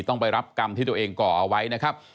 ต้องไปรับกรรมที่ตัวเองก่อเอาไว้นะครับ